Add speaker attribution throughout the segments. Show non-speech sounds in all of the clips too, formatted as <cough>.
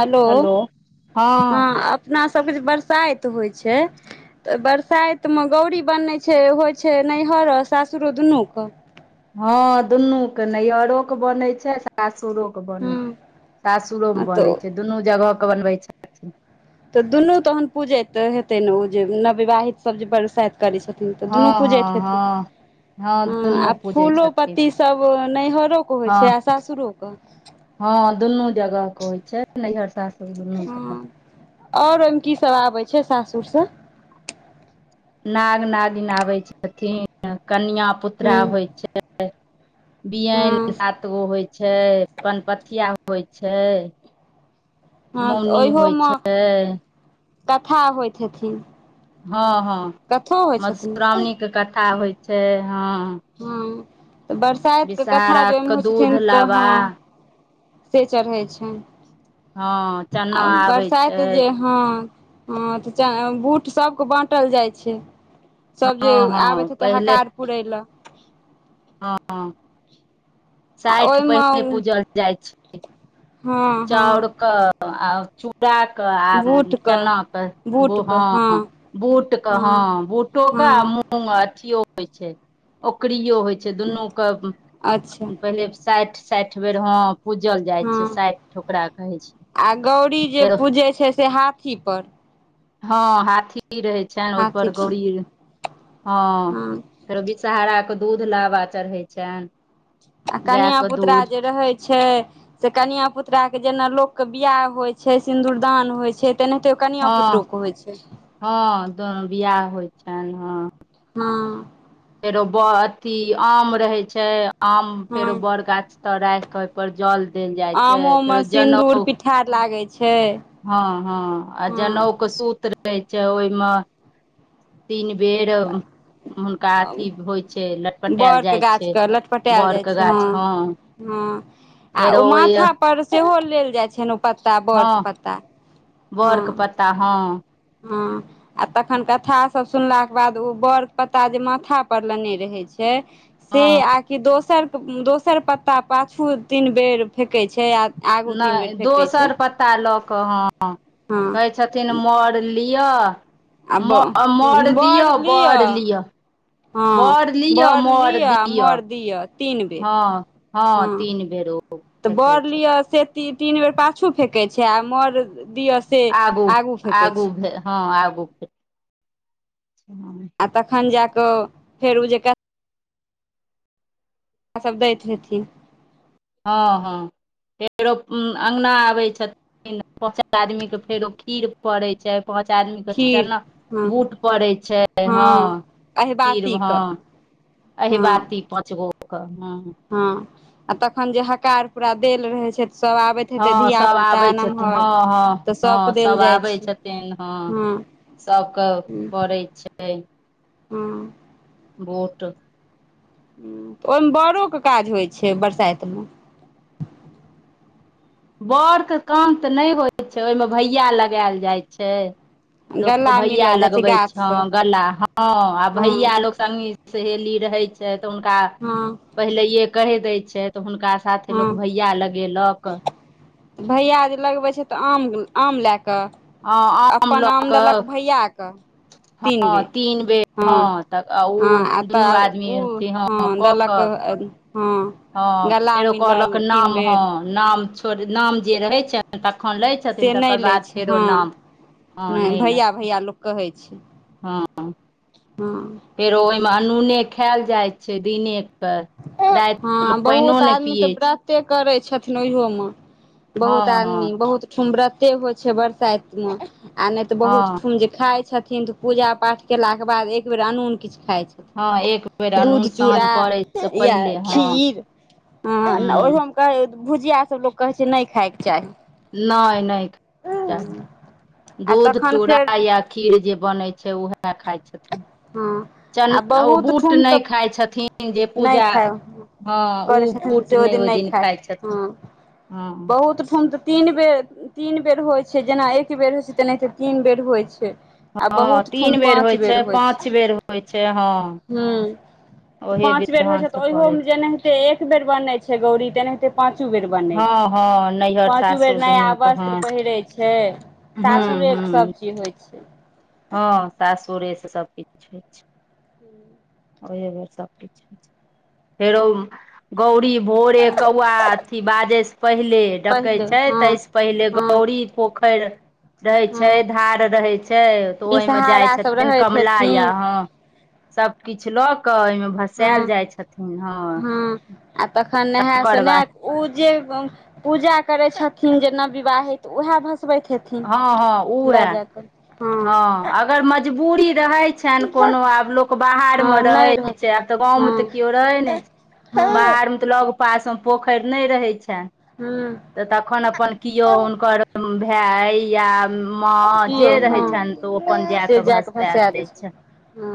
Speaker 1: हलो
Speaker 2: hello
Speaker 1: हँ अपना सबके जे बरसाइत होइ छै, ओय बरसाइतम गौरी बनै छै, होइ छै नैहर सासुर दुनूक?
Speaker 2: हँ, दुनू के नैहरोक के बनै छै सासुरोके। <unintelligible>
Speaker 1: हँ
Speaker 2: सासुरो मे
Speaker 1: तऽ
Speaker 2: बनै छै दुनू जगह के बनबै छै।
Speaker 1: तऽ दुनू तहन पूजैत हेतै ने ओ जे नववाहितसभ जे बरसाइत करै छथिन तऽ
Speaker 2: हँ
Speaker 1: दुनू
Speaker 2: हँ
Speaker 1: पूजैत
Speaker 2: हँ
Speaker 1: हेथिन। हँ
Speaker 2: दुनू
Speaker 1: आ
Speaker 2: पूजै
Speaker 1: फूलो
Speaker 2: छथिन
Speaker 1: पत्ती सब नैहरोे के होइ
Speaker 2: हँ
Speaker 1: छै आ सासुरोे क?
Speaker 2: हँ दुनू जगह के होइ छै नैहर सासुर दुन्नूके।
Speaker 1: और ओयमे की सब आबै छै सासुर स?
Speaker 2: नाग -नागिन आबै छथिन, कनिआ पुत्रा
Speaker 1: हँ
Speaker 2: होइ छै
Speaker 1: हँ
Speaker 2: बियैन सात गो होइ छै, पनपथिया होइ छै
Speaker 1: हँ तऽ
Speaker 2: मौनी होइ
Speaker 1: ओहियोमे
Speaker 2: छै
Speaker 1: कथा होइत हेथिन।
Speaker 2: हँ हँ
Speaker 1: कथो होइ छथिन
Speaker 2: मधुश्रामणीके कथा होइ छै हँ।
Speaker 1: हँ- तऽ, बरसाइतके कथा
Speaker 2: विषहारा
Speaker 1: जे ओयमे
Speaker 2: के
Speaker 1: होइ
Speaker 2: दूध
Speaker 1: छथिन तऽ
Speaker 2: लाबा
Speaker 1: हँ। से चढ़ैत छै
Speaker 2: हँ चना आबै छै।
Speaker 1: जे हँ हँ तऽ बूट सबके बाँटल जाइ छै। सभ जे
Speaker 2: हँ हँ
Speaker 1: आबैत हेते
Speaker 2: पहिले
Speaker 1: हकार पुरै लए।
Speaker 2: हँ।
Speaker 1: आ
Speaker 2: साठि पहिने
Speaker 1: ओहिमे
Speaker 2: पूजल जाइ छै
Speaker 1: हँ हँ
Speaker 2: चाउर क आ। द कऽ आ
Speaker 1: बूटके
Speaker 2: चनाके
Speaker 1: बूटके हँ
Speaker 2: बूहँ। बूटके हँ बूटोे आ
Speaker 1: हँ
Speaker 2: मु। मूग अथियो होइ छै ओकरीयो होइ छै दुनू के
Speaker 1: अच्छा
Speaker 2: पहिले साठि-साठि बेर हम
Speaker 1: ह
Speaker 2: छै
Speaker 1: आ गौरी जे
Speaker 2: फेर
Speaker 1: पूजै छै से हाथी पर। <inaudible>
Speaker 2: हँ हाथीपी रहै छनि ओहिपर गौरी हँ
Speaker 1: हँ
Speaker 2: फेर विषहहाराके दूध लाबा चढ़ै छै
Speaker 1: आ कनिआ पुतरा जे रहै छै। से कनिया पुतरााक के जेना लोकके बियाह होइत छै सिन्दूरदान होइ छै तेनाहिते कनिआ पुतरोके होइ छै
Speaker 2: ह बियाह होइ छनि ह
Speaker 1: हँ
Speaker 2: फेरो बड़ अथी आम रहैत छै आम
Speaker 1: हँ
Speaker 2: फेरो बड़ गाछ तर राखि क पर जल देल जाइ छै
Speaker 1: आमोमे
Speaker 2: फेर
Speaker 1: सिन्दूर
Speaker 2: जनेउ
Speaker 1: पिठार लागै छै
Speaker 2: हँ हँ आ
Speaker 1: हँ
Speaker 2: जनेउ के सूत रहे छै ओहिमे तीन बेर हुनका अथी होइ छै लटपटायल
Speaker 1: बड़के
Speaker 2: जाइ छै
Speaker 1: गाछके लटपटायल जाइ
Speaker 2: बड़के
Speaker 1: छै
Speaker 2: गाछ हँ
Speaker 1: हँ आ
Speaker 2: फेरो
Speaker 1: ओ
Speaker 2: ओहि
Speaker 1: माथा पर सेहो लेल जाइत छनि ओ पत्ता बड़के पत्ता हँ
Speaker 2: बड़के पत्ता हँ
Speaker 1: हँ आ तखन कथा सभ सुनलाके बाद ओ बड़के पत्ता जे माथापर लेने रहैत छै से
Speaker 2: हँ
Speaker 1: आकि दोसर दोसर पत्ता पा फूल तीन बेर फेेकै छै आ आगू तीन बेर
Speaker 2: नहि
Speaker 1: फेकै छै
Speaker 2: दोसर पत्ता ल क ह
Speaker 1: हँ
Speaker 2: कहै छथिन मर किआ
Speaker 1: आ
Speaker 2: म मर दियअ
Speaker 1: बर
Speaker 2: बड़ लिअ
Speaker 1: हँ
Speaker 2: बड़ लिअ
Speaker 1: बर
Speaker 2: मर
Speaker 1: लिअ आ
Speaker 2: दिअ
Speaker 1: मर दिअ तीन बेर
Speaker 2: हँ हँ तीन बेर ओ
Speaker 1: तऽ बर
Speaker 2: फकैत छथि
Speaker 1: लिअ से तीन बेर पाछू फेक छै आ मर दियअ
Speaker 2: आगू आगू हँ आगू के
Speaker 1: आ तखन जाके फेर उ जे सभ दैत हेथिन
Speaker 2: हँ हँ फेरो अङ्गना आबैत छथिन पाँच आदमीके फेरो खीर पोरई छै पाँच आदमी के
Speaker 1: खीर
Speaker 2: चना
Speaker 1: हँ
Speaker 2: बूट पड़े छै हँ
Speaker 1: अहिबासी क
Speaker 2: अही बात पाँच गोे ह
Speaker 1: हँ आ तखन जे हकार पूरा देल रहे छै त सब आबे
Speaker 2: हँ सभ आबै छथिन हँ हँ
Speaker 1: तऽ सभके
Speaker 2: हँ
Speaker 1: देल
Speaker 2: सभ
Speaker 1: जाइ
Speaker 2: आबै
Speaker 1: छै
Speaker 2: छथिन हँ सभके पड़ै छै
Speaker 1: हं।
Speaker 2: बोट।
Speaker 1: ओहि मे बड़ो के काज होइ छैय बरसाइत मे।
Speaker 2: बड़के काम तऽ नहि होइ छैय ओहिमे भैया लगैल जाइ छैय। लोक के
Speaker 1: गला
Speaker 2: भैया
Speaker 1: मिलल जाइ छै
Speaker 2: लगबै छ
Speaker 1: गाछसँ
Speaker 2: गला ह आ
Speaker 1: हँ
Speaker 2: भैया लोक। सङ्गी सहेली रहैय छैय तऽ हुनका।
Speaker 1: हां।
Speaker 2: पहिलेैये कहि दैय छैय तऽ हुनका साथे
Speaker 1: हँ
Speaker 2: लोक भैया लगेलक।
Speaker 1: भैया जे लगबैय छैय तऽ आम आम लए कऽ।
Speaker 2: हँ
Speaker 1: अपन
Speaker 2: लऽ
Speaker 1: आम देलक
Speaker 2: कऽ
Speaker 1: भैया क। तीन
Speaker 2: हँ
Speaker 1: बेर
Speaker 2: तीन बेर हँ
Speaker 1: हं
Speaker 2: तऽ ओ
Speaker 1: हं आ
Speaker 2: दुनू
Speaker 1: तऽ
Speaker 2: आदमी
Speaker 1: ओ
Speaker 2: अथी हँ
Speaker 1: हं देलक। हं।
Speaker 2: हं फेरो कहलक नाम हं नाम छोड़ नाम जे रहे छैय। तखन लैय छथिन
Speaker 1: से नहि
Speaker 2: तकर
Speaker 1: लै
Speaker 2: बाद
Speaker 1: छै
Speaker 2: फेरो
Speaker 1: हँ
Speaker 2: नाम हं नहि लै।
Speaker 1: भैया लोक कहैय छैय।
Speaker 2: हं
Speaker 1: हं।
Speaker 2: फेरो ओहिमे अनूने खायल जाइत छैय दिने। तऽ राति लोक पाइनो नहि पियै छैय।
Speaker 1: के करैय छथिन ओहियो मे
Speaker 2: हँ
Speaker 1: बहुत
Speaker 2: हँ
Speaker 1: आदमी बहुत। बहुत ठुम होइ छैय बरसाइत मे आ नै त बहुत
Speaker 2: हँ
Speaker 1: ठम जे खाइ छथिन। पूजा पाठ केला के बाद एक बेर अनून किछ खाइ छैय।
Speaker 2: हं एक बेर अनून सांझ पड़ैत।
Speaker 1: या खीर हं
Speaker 2: हूँ
Speaker 1: ओहिओ मे। <unintelligible> भुजिया सब लोक कहै छैय नै खााइ के चाही।
Speaker 2: नै नै खाइ के चाही
Speaker 1: आ
Speaker 2: दूध
Speaker 1: तखन
Speaker 2: चूड़ा
Speaker 1: फेर
Speaker 2: या। खीर जे बनैय छैय उहे खाइ छथिन।
Speaker 1: हं
Speaker 2: चन
Speaker 1: आ
Speaker 2: ओ
Speaker 1: बहुत
Speaker 2: बूट
Speaker 1: ठुम
Speaker 2: नहि
Speaker 1: त
Speaker 2: खाइ छथिन जे
Speaker 1: नै
Speaker 2: पूजा
Speaker 1: खाइब।
Speaker 2: हँ
Speaker 1: करैय
Speaker 2: ओ
Speaker 1: छथिन
Speaker 2: बूट
Speaker 1: से ओ
Speaker 2: नहि
Speaker 1: दिन
Speaker 2: ओहि
Speaker 1: नै खाइत
Speaker 2: खाइ छथिन
Speaker 1: हं
Speaker 2: हँ
Speaker 1: बहुत ठुन त। तीन बेर तीन बेर होइ छैय जेना एक बेर होइ छैय तेनाहिते तीन बेर होइ छैय।
Speaker 2: हं तीन बेर होइ छैय पाँच बेर होइ छैय हं।
Speaker 1: हं पाँच बेर होइ छैय त ओहियो
Speaker 2: करै
Speaker 1: मे
Speaker 2: छै
Speaker 1: जेने। हिते एक बेर बनैय छैय गौरी तेनाहिेते पाँचो बेर। बनैय
Speaker 2: हँ
Speaker 1: छैय
Speaker 2: हँ नैहर
Speaker 1: पाँचो बेर
Speaker 2: सासुर
Speaker 1: नया
Speaker 2: दुनू के हँ
Speaker 1: वस्त्र पहिरै छैय।
Speaker 2: हूँ
Speaker 1: सासुरे के सब चीज होइ छैय।
Speaker 2: हं सासुरे से सब किछ होइ छैय।
Speaker 1: हूं <inaudible>
Speaker 2: ओहे बेर सब किछु होइ छैय फेरो गौरी। भोरे कौआ अथी बाजेैय स पहिले। डकैय
Speaker 1: पहिले
Speaker 2: छैय
Speaker 1: हँ
Speaker 2: तै सऽ पहिले
Speaker 1: हँ
Speaker 2: गौरी पोखरि। रहै
Speaker 1: हँ
Speaker 2: छैय धार रहैय छैय त ओइमे जाइ
Speaker 1: बिषहारा सब
Speaker 2: छथिन
Speaker 1: रहैत
Speaker 2: कमला
Speaker 1: हेथिन
Speaker 2: याहां। हं सभ किछ ल क अहिमे।
Speaker 1: हँ
Speaker 2: भसैल जाइ छथिन हं तकर बाद।
Speaker 1: उ जे गं पूजा करैय छथिन जे नव विवाहित उएह भसबैत हेथिनह
Speaker 2: हँ हँ उहे, हँ अगर मजबूरी रहैछ छनि कोनो आब लोक बाहरमे
Speaker 1: हँ नहि रह
Speaker 2: रहैत छै आब तऽ गाँवमे त
Speaker 1: हँ
Speaker 2: किओ रहै नै छै।
Speaker 1: हँ
Speaker 2: बाहर मे त लग पासमे पोखरि नै रहै छैन।
Speaker 1: हूँ।
Speaker 2: त तखन अपन किओ हुनकर भाए या माँ
Speaker 1: की
Speaker 2: जे
Speaker 1: यौ
Speaker 2: रहै छनि त ओ अपन
Speaker 1: हँ
Speaker 2: जा
Speaker 1: से
Speaker 2: क
Speaker 1: कऽ
Speaker 2: भंसबा
Speaker 1: भसा
Speaker 2: दै
Speaker 1: छै
Speaker 2: छनि।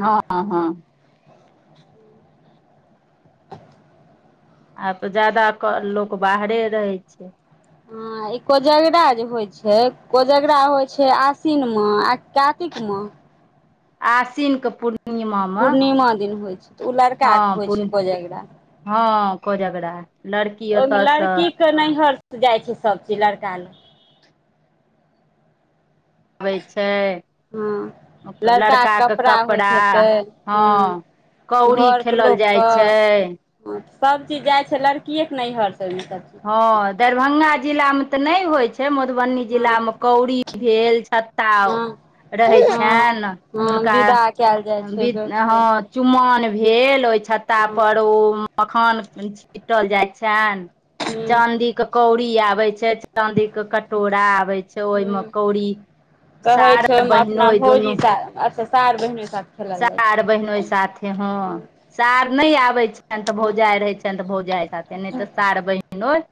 Speaker 2: हँ हँ हँ। आब त जादा लोक बाहरे रहै छै।
Speaker 1: हं। ई कोजगरा जे होइ छै, कोजगरा होइ छै आश्विनमे आ कि कातिकमे।
Speaker 2: आसिनके पूर्णि मा मे।
Speaker 1: पूर्णिमा दिन होइ छै, ओ लड़काके होइ छै
Speaker 2: पूर्णि
Speaker 1: कोजगरा।
Speaker 2: हँ कोजगरा, लड़की ओतऽ सँ
Speaker 1: के नैहर सं जाइ छै सभ चीज लड़का ल
Speaker 2: अबै छै,
Speaker 1: हँ
Speaker 2: लड़का
Speaker 1: लड़काके
Speaker 2: के
Speaker 1: होइत
Speaker 2: कपड़ा,
Speaker 1: हेतै
Speaker 2: हँ
Speaker 1: हूँ
Speaker 2: कौड़ी खेलल जाइ छै।
Speaker 1: सभ चीज जाइ छै लड़किए के नैहरसँ ने
Speaker 2: हँ, दैरभंगा जिला मे त नै होइ छै। मधुबनी
Speaker 1: हँ
Speaker 2: जिलामे कौड़ी भेल, छत्ता
Speaker 1: हँ
Speaker 2: रहै
Speaker 1: हँ
Speaker 2: छनि
Speaker 1: हँ
Speaker 2: हुनका
Speaker 1: विदा कयल जाइ छै ग
Speaker 2: बिध
Speaker 1: छै
Speaker 2: हं चुमाओन भेल ओइ छत्ता
Speaker 1: हँ
Speaker 2: पर ओ मखान छीटल जाइ छैन।
Speaker 1: हूँ
Speaker 2: चांदी के कौड़ी आबै छै, चांदी के कटोरा आबै छै ओहिमे
Speaker 1: हूँ
Speaker 2: कौड़ी
Speaker 1: कहै
Speaker 2: सार
Speaker 1: छै ओहिमे अपना
Speaker 2: बहिनोइ दुनू
Speaker 1: भौजी सा अच्छा सार बहिनो साथ खेलल जाइ
Speaker 2: सार बहिनोइ साथे,
Speaker 1: छै
Speaker 2: हँ सार नहि आबै छैन तऽ
Speaker 1: हँ
Speaker 2: भौजाइ रहै छैन तऽ भौजाइ साथे नहि तऽ सार बहिनोइ।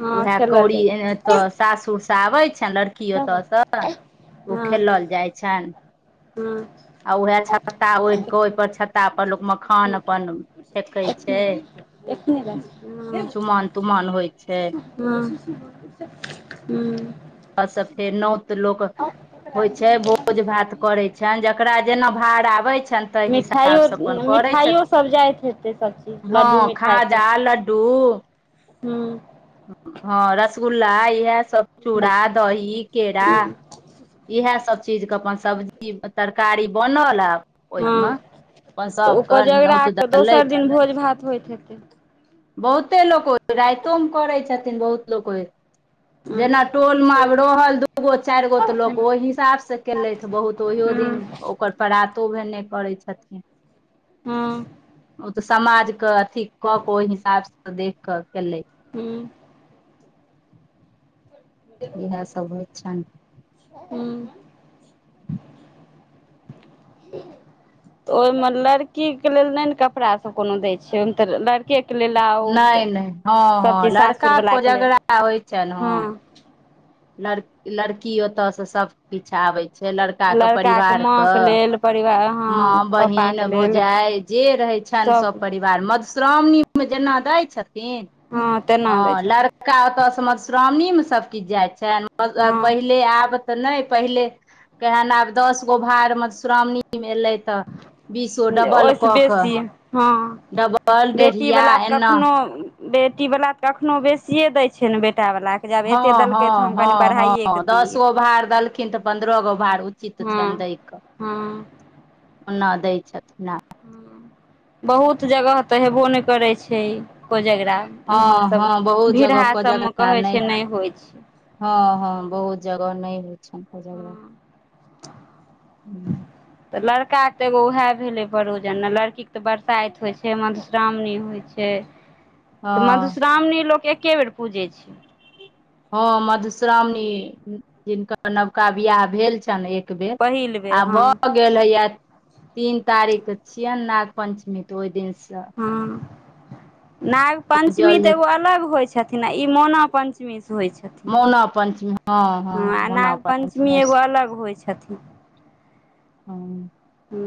Speaker 1: हँ
Speaker 2: उएह
Speaker 1: खेलल
Speaker 2: कौड़ी
Speaker 1: जाइ
Speaker 2: तऽ सासुर सँ आबै छैन लड़की की ओतऽ
Speaker 1: छै
Speaker 2: स, ओ
Speaker 1: हँ
Speaker 2: खेलल जाइ छैन
Speaker 1: हँ
Speaker 2: आ उएह छत छत्ता ओढ़ कऽ ओहिपर छत्ता पर लोक
Speaker 1: एखने
Speaker 2: मखान अपन फेेकै छै।
Speaker 1: एखने एखने
Speaker 2: चुमाओन तुमाओन होइ छै।
Speaker 1: हुँ हुँ।
Speaker 2: ओ से फेर नौत लोक होइ छै भोज भात करैत छनि जेकरा जेना भार आबैत छनि ताहि
Speaker 1: मिठाईओ
Speaker 2: हिसाबसँ अपन करै
Speaker 1: मिठाईओ
Speaker 2: छथिन
Speaker 1: सभ जाइत हेतै सभ चीज
Speaker 2: हँ
Speaker 1: लड्डू मिठाई सभ।
Speaker 2: खाजा लड्डू
Speaker 1: हूँ।
Speaker 2: हँ रसगुल्ला इएह सब
Speaker 1: हूँ
Speaker 2: चूड़ा दही केरा इएह सभ चीजके अपन सब्जी तरकारी बनल आ ओहिमे
Speaker 1: हँ
Speaker 2: अपन
Speaker 1: तऽ ओ
Speaker 2: सबके नोत द
Speaker 1: कोजगराके दोसर
Speaker 2: एलैथ
Speaker 1: दिन भोज भात होइत हेतै।
Speaker 2: बहुते लोक ओहि रातिमे करै छथिन बहुत लोक ओहि
Speaker 1: <inaudible>
Speaker 2: जेना टोल में आब रहल दूगो चारि गो तऽ लोक ओहि हिसाब से केलेथि, बहुत ओहियो दिन
Speaker 1: हूँ
Speaker 2: ओकर परातो भेने करै छथिन।
Speaker 1: हुँ।
Speaker 2: ओ तऽ समाज क अथी कऽ के ओहि हिसाब से देख कऽ केलैथ।
Speaker 1: हुँ
Speaker 2: इएह सब होइ छनि
Speaker 1: <unintelligible> हुँ तऽ ओइमे लड़की के लेल नय ने कपड़ा सब कोनो दै छै ओहिमे तऽ लड़ केक लैल आउत
Speaker 2: नहि नहि हँ
Speaker 1: सब
Speaker 2: हँ
Speaker 1: चीज सासुर
Speaker 2: लड़का
Speaker 1: वालाक के लेल
Speaker 2: कोजगरा होइ छनि
Speaker 1: हुँ
Speaker 2: हँ लड़ लड़की ओतऽ से सब किछ आबै छैय। छैय लड़का के
Speaker 1: लड़काके
Speaker 2: परिवार के
Speaker 1: माँके लेल परिवार हँ
Speaker 2: माँ
Speaker 1: पप्पाके
Speaker 2: बहिन
Speaker 1: लेल
Speaker 2: भौजाइ। जे रहै छनि
Speaker 1: सब
Speaker 2: सभ परिवार। आर मधुश्रावणी में जेना दै छथिन
Speaker 1: हँ तेना दै
Speaker 2: हँ लड़
Speaker 1: छथिन
Speaker 2: का ओतय सँ मधुश्रावणी में सभ किछु जाइ छनि
Speaker 1: हँ
Speaker 2: पहिले आब। तऽ नहि पहिले केहेन आब दस गो भार मधुश्रावणी में एयलै तऽ बीसो डबल
Speaker 1: ओहिसँ
Speaker 2: कऽ कऽ
Speaker 1: बेसी हुँ
Speaker 2: डबल डेढ़िया
Speaker 1: बेटीवला तऽ
Speaker 2: एना
Speaker 1: कखनो बेटी वाला तऽ कखनो बेसिये दय छैय ने बेटा वाला के जब एते
Speaker 2: हँ हॅ
Speaker 1: देलकै तऽ हम कनि
Speaker 2: हँ
Speaker 1: बढ़ाइए कऽ
Speaker 2: हँ दस
Speaker 1: दियै
Speaker 2: गो भार देलखिन तऽ पन्द्रह गो भार उ चित छनि दैय के
Speaker 1: हुँ
Speaker 2: ना दै छथिन आ
Speaker 1: बहुत जगह तऽ हेबो नहि करै छैय इ कोजगड़ा। इमहर
Speaker 2: हँ
Speaker 1: सब
Speaker 2: हँ बहुत जगह
Speaker 1: भिड़हा सब मे
Speaker 2: कोजगरा
Speaker 1: कहै छै नहि होइ छै।
Speaker 2: हँ हँ बहुत जगह नहि होइ छैय कोजगड़ा। हू
Speaker 1: त लड़का के तऽ एगो वएह भेलै परोजन न लड़कीके तऽ बरसाइत होइ छैय मधुश्रावणी होइ छैय तऽ
Speaker 2: हँ
Speaker 1: मधुश्रावणी लोक एके बेर पूजै छैय।
Speaker 2: हँ मधुश्रावणी जिनकर नवका बियाह भेल छनि एक। एकबेर
Speaker 1: पहिल बेर
Speaker 2: आब
Speaker 1: हँ
Speaker 2: भ गेल हैया तीन तारीख के छियैन नाग पञ्चमी तऽ ओहि दिन सँ।
Speaker 1: हँ नाग पञ्चमी
Speaker 2: पूजल
Speaker 1: तऽ एगो
Speaker 2: जेत
Speaker 1: अलग होइ छथिन। छथिन आ ई मोना पञ्चमी सँ होइ छथिन।
Speaker 2: मोना पञ्चमी हँ हँ
Speaker 1: आ
Speaker 2: मोना
Speaker 1: नाग
Speaker 2: पञ्चमी
Speaker 1: एगो
Speaker 2: स
Speaker 1: अलग होइ छथिन
Speaker 2: हँ
Speaker 1: ह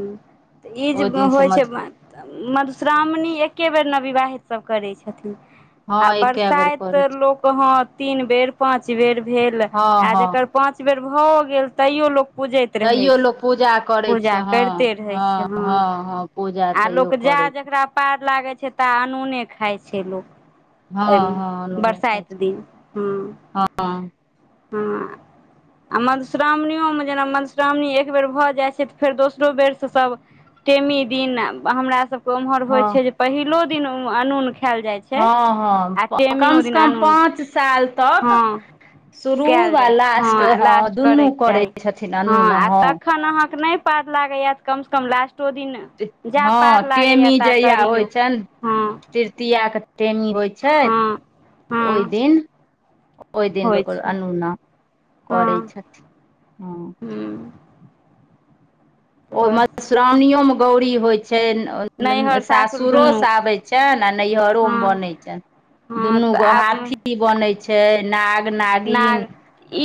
Speaker 1: तऽ ई जे होइ
Speaker 2: मध
Speaker 1: छैय मधुश्रावणी एक्के बेर नविवाहित सभ करैत छथिन।
Speaker 2: हँ
Speaker 1: आ
Speaker 2: एके बेर
Speaker 1: बरसाइत
Speaker 2: करै छै
Speaker 1: लोक हँ तीन बेर पााँच बेर भेल।
Speaker 2: हँ
Speaker 1: आ
Speaker 2: हँ
Speaker 1: जकर पांच बेर भओ गेल तैयो लोको पूजैत रहै
Speaker 2: तैयो
Speaker 1: छै
Speaker 2: लोक पूजा करै छै
Speaker 1: पूजा।
Speaker 2: हँ
Speaker 1: कैरते रहय छय,
Speaker 2: हँ
Speaker 1: हाँ।
Speaker 2: हँ हँ पूजा
Speaker 1: आ
Speaker 2: तैयो
Speaker 1: लोक जा
Speaker 2: करै छै
Speaker 1: जकरा पार लागै छै ता अनूने खााय छै लोक।
Speaker 2: हँ
Speaker 1: ओहिमे,
Speaker 2: हँ आलू नहि खाइ
Speaker 1: बरसाइत
Speaker 2: छै
Speaker 1: दिन, हूं
Speaker 2: हँ
Speaker 1: हँ आ मधुश्रावणिओमे जेना मधुश्रावणी एक बेर भऽ जाइ छै तऽ फेर दोसरो बेरसँ सभ टेमी दिन हमरा सभके ओम्हर होइत छै
Speaker 2: हँ
Speaker 1: जे पहिलो दिन अनून खाएल जाइत छैय
Speaker 2: हँ हँ कम स कम पाँच साल तक।
Speaker 1: हँ
Speaker 2: शुरू
Speaker 1: कयल
Speaker 2: वा
Speaker 1: जाइ छै
Speaker 2: लास्ट
Speaker 1: आ
Speaker 2: हँ
Speaker 1: लास्ट
Speaker 2: दुनू करै छथिन अनूना हँ
Speaker 1: अखन अहाँके नहि पार लागैया कम से कम लास्टो दिन जा
Speaker 2: हँ
Speaker 1: पार लागैए
Speaker 2: टेमी
Speaker 1: ता
Speaker 2: जहिया होइ
Speaker 1: करियौ
Speaker 2: छनि,
Speaker 1: हँ
Speaker 2: तृतीय के। टेमी होइ छैयऽ
Speaker 1: हँ हँ
Speaker 2: ओइ दिन। ओहि दिन
Speaker 1: होइ
Speaker 2: लोक और
Speaker 1: छै
Speaker 2: अनुना करैय छथिन। हँ
Speaker 1: हूं।
Speaker 2: ओ मधुश्रावणीयो में गौरी होइ छैय। छैय अ न अ
Speaker 1: नैहर सासुर
Speaker 2: सासुरो स
Speaker 1: दुनूके
Speaker 2: आबैत छैन आ नैहरो मे
Speaker 1: हँ
Speaker 2: बनैत छैन
Speaker 1: हँ
Speaker 2: दुनू
Speaker 1: तऽ
Speaker 2: गो
Speaker 1: आब
Speaker 2: हाथी बनैय छैय, नाग-नागिन।
Speaker 1: नाग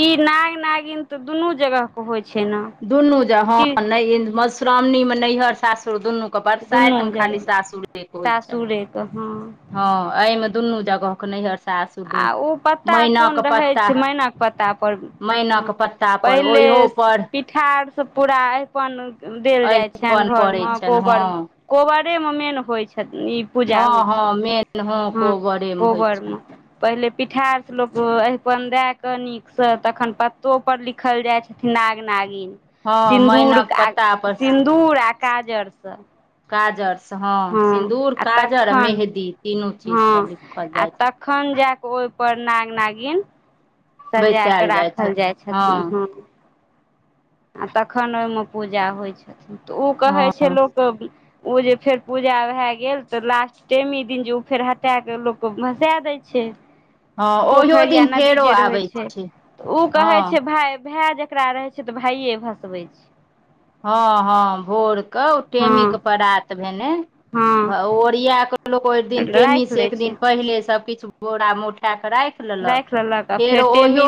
Speaker 1: ई नाग नागिन तऽ दुनू जगह होइ छैय न।
Speaker 2: दुनू ज हं नय मधुश्रावणी मे नैहर सासुर दुनू ओ
Speaker 1: दुनू
Speaker 2: बरसाइत मे खाली
Speaker 1: जगह
Speaker 2: सासुर के होइ छैय।
Speaker 1: सासुरेके हँ
Speaker 2: हं एइ मे दुनू जगह के नैहर सासुर।
Speaker 1: आ ओ
Speaker 2: दुनू
Speaker 1: पत्ता कोन
Speaker 2: मैनाक
Speaker 1: रहै
Speaker 2: पत्ता,
Speaker 1: छै मैनाक पत्ता पर
Speaker 2: मैनक प। ्ता पर ओहयो पर
Speaker 1: पिठार स पूरा अरिपन देल जाइ छनि
Speaker 2: अहिपन
Speaker 1: घर
Speaker 2: पड़ै
Speaker 1: मे,
Speaker 2: छनि हँ
Speaker 1: गोबर मे कोबरे मे मेन होइ छथिन ई। पूजा
Speaker 2: हँ
Speaker 1: होइ
Speaker 2: हँ
Speaker 1: छैय
Speaker 2: मेन हँ
Speaker 1: हूं
Speaker 2: कोबरेमे होइ
Speaker 1: कोबर
Speaker 2: छनि
Speaker 1: मे। पहिले पिठार सऽ लोक अरिपन दए कऽ नीक सऽ तखन पत्तो पर लिख लिखल जाय छथिन नाग-नागिन।
Speaker 2: हँ
Speaker 1: सिन्दूर,
Speaker 2: मैनाक पत्ता
Speaker 1: सिन्दूर आ काजर सऽ
Speaker 2: काजर सँ हं। सिन्दूर, काजर आ
Speaker 1: तखन
Speaker 2: मेहदी तीनू चीज
Speaker 1: हँ
Speaker 2: सँ लिखल
Speaker 1: आ
Speaker 2: जाय छैय।
Speaker 1: तखन जा कऽ ओहि पर नाग-नागिन सजा क
Speaker 2: बैसायल
Speaker 1: राखल
Speaker 2: छथि
Speaker 1: जाइ छथिन
Speaker 2: हँ
Speaker 1: हं आ तखन ओहिमे पूजा होइ छथिन। तऽ ओ कहै
Speaker 2: हँ
Speaker 1: छैय लोक ओ जे फेर पूजा भय गेल ते लास्ट टेमी दिन जे उ फेर हटा के लोक के भसा दैय छैय। छै।
Speaker 2: हँ ओहियो
Speaker 1: पोखरि या
Speaker 2: दिन
Speaker 1: नदी
Speaker 2: फेरो
Speaker 1: जे रहैय
Speaker 2: आबै
Speaker 1: छैय
Speaker 2: छै
Speaker 1: तऽ ओ
Speaker 2: हँ
Speaker 1: कहै छैय भाय, भाै जेकरा रहैय छैय तऽ भाइए भसबै छैय।
Speaker 2: हं, हं भोर कऽ, ओ टेमी
Speaker 1: हँ
Speaker 2: के परात भेने
Speaker 1: हँ
Speaker 2: ओरिया कऽ। लोक ओहि दिन टेमी
Speaker 1: राखि
Speaker 2: सऽ
Speaker 1: लै
Speaker 2: एक
Speaker 1: छै
Speaker 2: दिन पहिले सब किछ बोरा मे उठा कऽ राइख लेलक।
Speaker 1: राखि आ
Speaker 2: फेर
Speaker 1: टेमी
Speaker 2: ओहियो